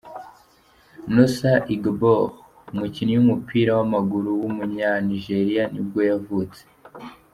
Nosa Igiebor, umukinnyi w’umupira w’amaguru w’umunyanigeriya nibwo yavutse.